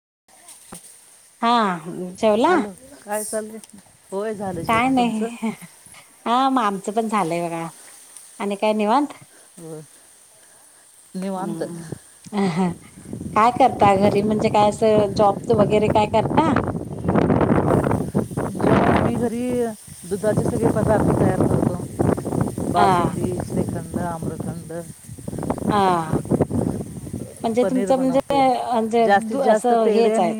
[inaudible] हा जेवला. हॅलो [inaudible] काय जेवण नाही तुमचं हा मग आमचं पण झालंय बघा आणि काय निवत. हो. काय करता घरी म्हणजे काय. जॉब वरे काय करता. खरी दुध जुतगे प्रकारारत अ बासती. अमरखंड. आ. म्हणजे पनीर तुमचं बनवतो म्हणजेजे जास्तीत द जास्त असं हेच आहेत.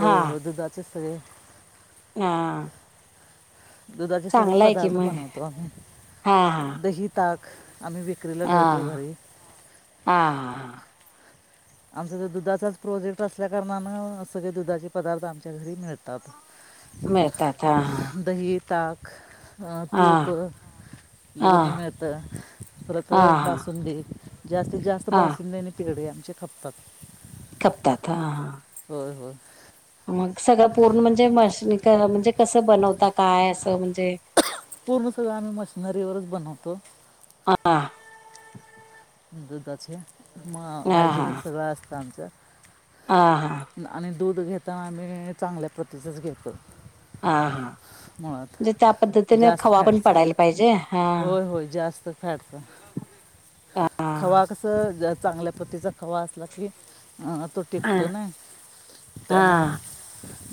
हो होत जााचचतर. हा. दुधाचे सगळे चांगलं आहे कि पदार्थ मग बनवतो आम्ही हा हा दही, ताक. आम्ही विक्रीला ठेवतो हा घरी. हा आमचा तर दुधाचाच प्रोजेक्ट असल्या कारणान सगळे दुधाचे पदार्थ आमच्या घरी मिळतात. मळताथ हा. दही ताक हा तूप, हा लोवणी हा मिळतं परत हा बासुंदी. जास्तीत जास्त हा बासुंदी, पेडे आमचे खपतात. कपताात हा हा. हो हो. मग सगळं पूर्ण म्हणजे मशनी म्हणजे कसं बनवता काय असं म्हणजे. पूर्ण सगळं आम्ही मशिनरीवरच बनवतो. हा हा दुधक्षण म हा हायजेनिक सगव असस्त आमचं. हा हा. आणि दूध घेता आम्ही चांगल्या पद्धतीचंच घेतो. हा हा. म्हणजे त्या मुळात पद्धतीने जास्त खवा पण फॅटच पडायला पाहिजे हा होय होय जास्त फॅटच. हा खवा कस चांगल्या पद्धतीचा खवा असला की. ह तो हा ठिकतो नाहीेत हा आ म्हा.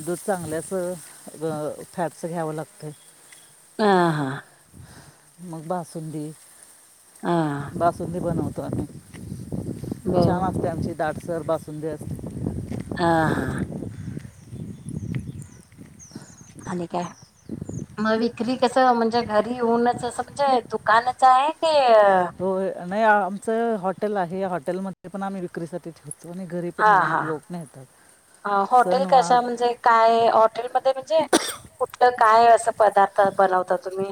दूध चांगल्याचं फॅटस घ्यावं लागतं. आ हा. मग बासुंदी. हा बासुंदी बनवतो आम्ही. ब छान असते आमची दाटसर बासुंदे अस. आह हा.. अ काय मग विक्री कस म्हणजे घरी येऊनच असं म्हणजे दुकानाच आहे क हो नाही आमचं हॉटेल आहे या हॉटेलमध्ये पण आम्ही विक्रीसाठी ठेवतो आणि घरी पण हा येऊन हा लोक नेतात हॉटेल सणवार कशा म्हणजे काय हॉटेलमध्ये म्हणजे कुठ काय असं पदार्थ बनवता तुम्ही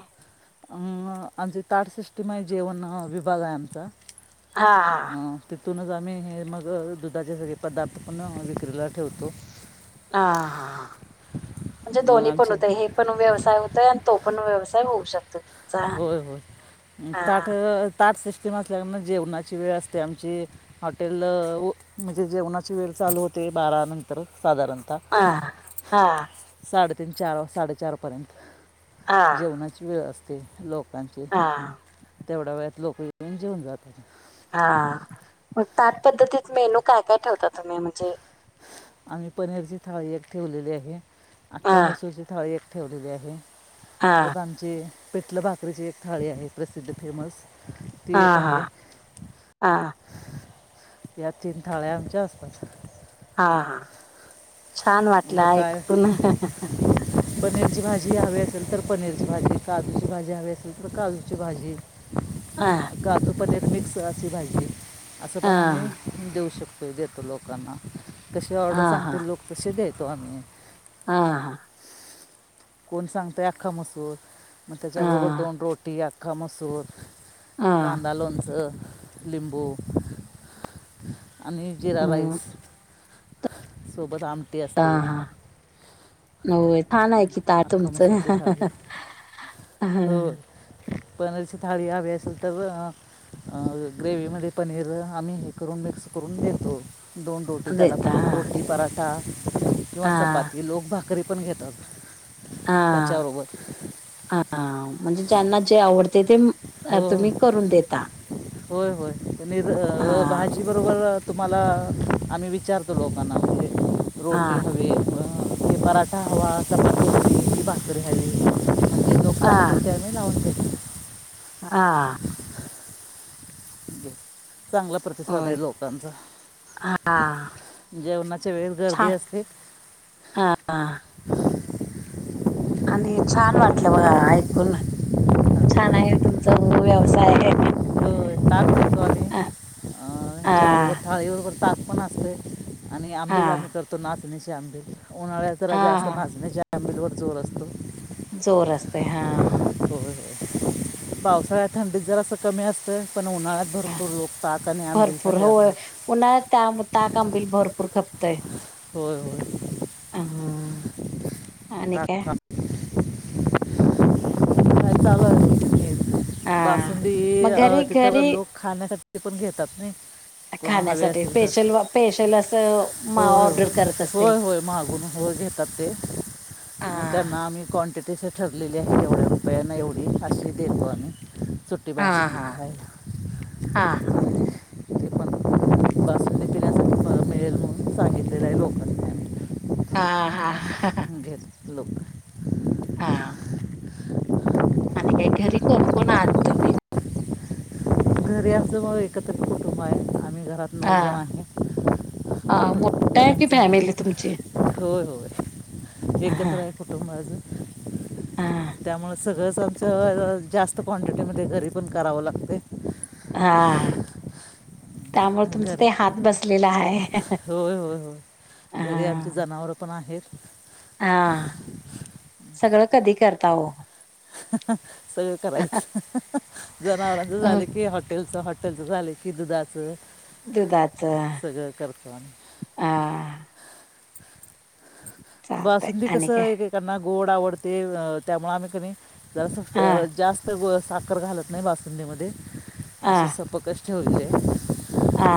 अं आमचे ताटसिस्ीम आहे जेवण विभाग आहे आमचा हा हा त्यातूनच आम्ही हे मग दुधाचे सगळे पदार्थ पण विक्रीला ठेवतो हा हा म्हणजे मग दोन्ही पण आमचे होतय हे पण व्यवसाय होतोय आणि तो आपण व्यवसाय होऊ शकतो होय हा होय तेम असल्या जेवणाची वेळ असते आमची हॉटेल म्हणजे जेवणाची वेळ चालू होते ते बारा नंतर साधारणतः हा हा साडेतीन चार साडेचारपर्यंत हा जेवणाची वेळ असते लोकांची हा तेवढ्या वेळात लोक पजेऊन जात हा मग त्याच पद्धतीत मेनू काय काय ठेवता तुम्ही म्हणजे आम्ही पनीरची थाळी एक ठेवलेली आहे अखक्ख हा मसूरची थाळी एक ठेवलेली आहे हा तरत आमची पेटल भाकरीची एक थाळी आहे प्रसिद्ध फेमस ती हा एक हा आहे हा या तीन थाळ्या आमच्या आसपास हा छान मग वाटलं एक काय पुन जी हवी असेल तर पनीरची भाजी काजूची भाजी हवी असेल तर काजूची भाजी हा काजं पनीर मिक्स अशी भाजी आहे असं हा पण आम्ही देऊ शकतो देतो लोकांना तशी ऑर्डर हा हा सांगते लो तशी द्याेतो आ्ही हा हा कोण सांगतोय अख्खा मसूर मग हा त्याच्याबरोबर दोन रोटी अख्खा मसूर हा कांदा लणसं लिंबू आणि जिरा हम् राईस सोबत आम ह हाय छान आहे कि अख्खा तुमचं मसूरची थाळी हा हो पनीरची थाळी हवी असेल तर ग्रेवीमध्ये पनीर आम्ही हे करून मिक्स करून देतो दोन रोटी त्याला देता रोटी पराठा किंवा हा चपाती लोक भाग करी पण घेतात हा त्याच्याबरोबर हा म्हणजे ज्यांना जे आवडते ते ह हो तुम्ही करून देता होय होय निर हा भाज बरोबर तुम्हाला आम्ही विचारतो लोकांना म्ह रोटी हा हवी ते पराठा हवा क बास् कररीहा लो हा च लावूनते ह म्हणजे चांगला प्रतिसाद होय आहे लोकांचा हा जेवणाच्या वेळस गर्दी छान असते हा आणि छान वाटलं बघा ऐकून छान आहे तुमचा गुरु व्यवसाय [unintelligible] ह त्याबरोबर थाळीबरोबर ताास पण असते आणि आंबीला मी हा करतो नाचणीशी आंबी उन्हाळ्यात जाास्त हा नाचण्याच्या आंबील वर जोर असतो जोर असते हा होय पावसाळ्यात थंडीत जरा असं कमी असतं पण उन्हाळ्या भरपूर लो ताक आणि आंबिल भरपूर होय उन्हाळ्यात ताक आंबील भरपूर खपतंय होय, होय आणि काय हा [unintelligible] बासुंदी मग आ घरी तिथं न घरी लोक खाण्यासाठी पण घेतात नाही कोणाला हवे खाण्यासाठी असेल तर होय, स्पेशल स्पेशल असं म होय, ऑर्डर करत असतील. होय, होय मागवून होय हो घेतात ते आ मग त्यांना आम्ही कॉन्टॅक्ट जस ठरलेलं आहे एवढ्या रुपयानं एवढी अशी देतो आम्ही सुटी हा बासुंदि हा खायला हा आणि तिथे पण बसून पिण्यासाठी पण मिळेल म्हणून सांगितलेलं आहे लोकांना हा, हा, हा अह अह लोक हा आणि काय घरी कोण, कोण आहात तुम्ही घरी असं आहो एकत्र कुटुंब आहे आम्ही घरात नऊ हा जण आहे हा मोठं कुटुंब मोठ्ठा आहे कि फॅमिली तुमची आमचं होय होय हा एकत्र आहे कुटुंब आजून हा त्यामुळ सगळंच आमचं जास्त क्वांटिटीमध्ये घरी पण करावं लागतंय हा त्यामुळे तुमचा घरी तो हात बसलेला आहे होय, होय, होय घरी आमची हा जनावरं पण आहेत हा सगळं कधी करता ओ ह, ह सगळं करायचं ह, ह, ह जनावरांच अ झालं की हॉटेलच हॉटे लच झाले कि दुधाच दुधाच हा, आम्ही हा चालतय बासुंदी आणि कस काय? एकेकांना गोड आवडते त्यामुळे आम्ही कणी जराच हा अ जास्त ग साखर घालत नाही बासुंदीमध्ये हा असे सपक अशी ठेवलेली आहे हा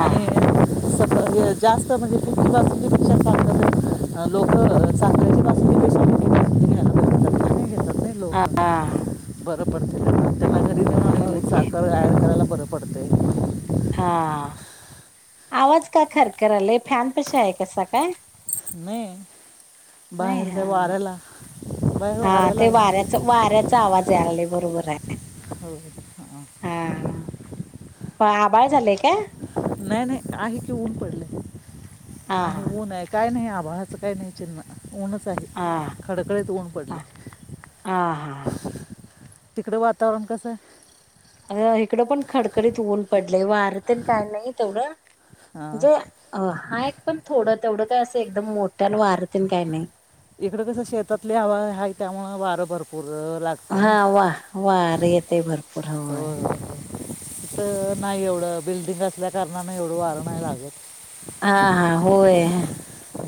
सपक जास्त म्हणजे किती बासुंदीपेक्षा साख लोक सांगतील तस आम्ही मग बनवून देतो ते लोकं बरं पडतेय मग होय की बरं पडतय हा आवाज का खरखरालाय फॅन पशी आहे कसा काय नाही नाही हा बाहेरच्या वाऱ्याला बाहेर हा वाऱ्याला ते आहे वाऱ्याच, ना वाऱ्याचा आवाज आलालय बरोबर आहे ह म आभाळ झालय काय नाही नाही आहे कि ऊन पडलय हा आहे ऊन आहे काय नाही आभाळाचं काय नाही चिन्ह ऊनच आहे हा खडखडीत ऊन हा पडलय हा हा तिकडे वातावरण कस हो इकडं पण खडकडीत ऊन पडलय वारं तेन काय नाही तेवढं हा अ हाय पण थोडं तेवढं काय अस एकदम मोठ्यान वारं इकड कस शेतातली हवा आहे त्यामुळ वारं भरपू लागतं हा ना वा वार येतय भरपूर होय, होय इथ नाही एवढं बिल्डिंग असल्या कारणानंह एवढं वारं नाही लागत हा, हा होय ह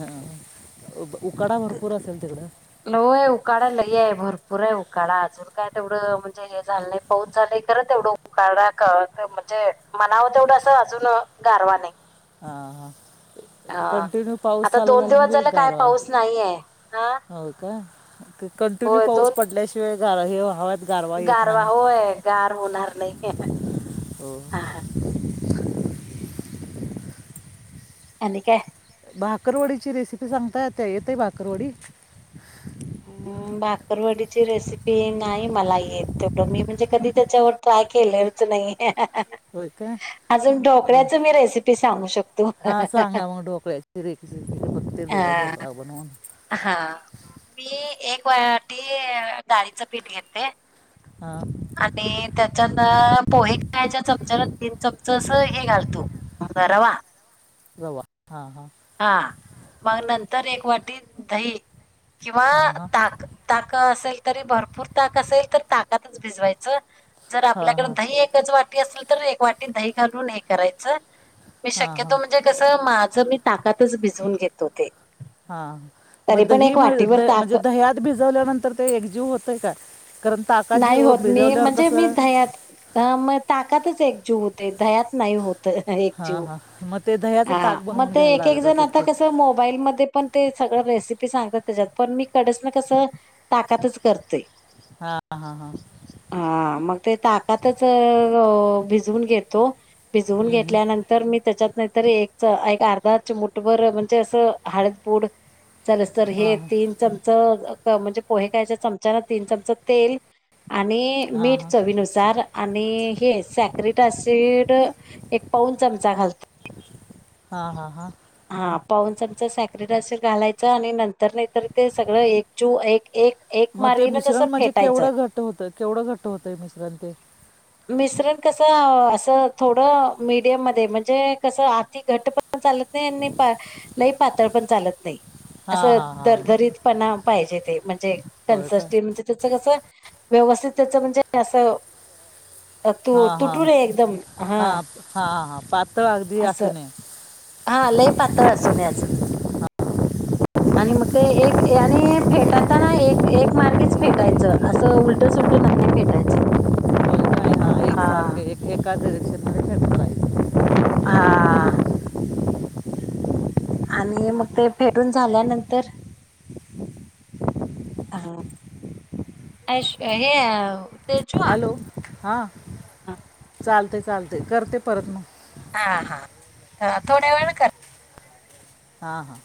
अ ब उकाडा भरपूर असेल तिकडं हो हो उकाडा लई हाय भरपूर.... पुरे उकाडा अजून काय तेवढं म्हणजे हे झालं नाही पाऊसच झालय खंर तेवढं उकाडा कवातर... म्हणजे मनाव तेवढं अस अजून गारवा नाही... हा हा... अ कंटिन्यू पाऊस आता चालू दोन झाला दिवस म्हणजे ब झालं काय गार. वा पाऊस नाहीये हा हो का कंटिन्यू होय पाऊस दोन पडल्याशिवाय हेवा. गारवा होय गार होणार नाही.. हो [unintelligible] अन का भाकरवडीची रेसिपी सांगताय त्या येतय भाकरवडी... अ् बाकरवाडीची रेसिपी नाही.. मला येत तेवढं मी म्हणजे कधी त्याच्यावर काय केलेच नाही हो ते... अजून बर ढोकळ्याच मी रेसिपी सांगू शकतो हा सांगा मग डोकळ्याचीिरे बघते. पेडो ह बनून... हा मी एक वाटी डाळीचं पीठ घेते... हा.. आणि त्याच्यात पोहे कायच्या चमचाला तीन चमच अस हे घालतो ब रावा. रवा हा हा... हा मग नंतर एक वाटी दही... किंवा हां हां ताक ताक असेल तरी भरपूर ताक असेल... ताकातच भिजवायच जर आपल्याकडे हां हां दहीच वाट... असल तर एक वाटी दही घालून हे करायच मी हां शक्यतो हां म्हणजे कस माझ मी... ताकातच भिजवून घेतो ते.... हा तरी मग पण दही एक द वाटीवर ताक म्हणजे दह्यात भिजवल्यानंतर ते एकजीव होतय का... कारण ताकात नाही जीव होत मी भिजवल्यावर म्हणजे मी कसं दहयात म ताकातच एकजीव ते दयात नाही होत हां एकजीव.. हां मग ते दह्याचं हा ताक मग बनवून ते घ्यायला एक एक लागत जण असत आता ते कस मोबाईलमध्ये पण ते सगळं रेसिपी सांगतात त्याच्यात पण मी कडस न कसं ताकातच करतोय.... हां हां हां हा मग ते ताकातच..... भिजून घेतो भिजून हम्म, हम्म. घेतल्यानंतर मी त्याच्यात नाहीतरी एक एक अर्धा च मुठभर म्हणजे असं हळदपूड... चला तर हे हां हां तीन चमच म्हणजे पोहे कायच्या चमचाना तीन चमच तेल... आणि मीठ हां चवीनुसार आणि हे सॅकिट अससिड एक पा दोन चमचा घालत फ्री... हा हा हा ह पाऊन चमचा साॅकरीडशीर घालायच आणि नंतर नाहीतर ते सगळं एक चू एक एक मग ते मार्गीनच असं मिश्रण म्हणजे फेटायचं केवढं घट होत केवढं घट होतय मिश्रण ते... मिश्रण कस अस थोड मीडियम मध्ये म्हणजे कसं आी घट पण चालत नाही आणि लई पातळ पण चालत नाही... हां असं हां हां दरदरीतपणा पाहिजे ते म्हणजे होय का कनसटी म्हणजेकणल्टी कस व्यवस्थित त्याच म्हणजे अस... तू हां हां तुटू रे एकदम हा.... हां हां हां पातळ अगदी असू असं नये हा लय पातळ असूनय अजून.... [unintelligible] आणि मग ते एक फेटताना एक एक मार्गीच फेटायचं असं उलट सु उलट... भेटायचं... ह...... हा... एकादक्ष हा आणि मग ते फेटून झाल्यानंतर अ हे तेजु हा. हा. चालतय चालतयं करते परत मग. हा हा थोड्या वेळ कर. हा हा.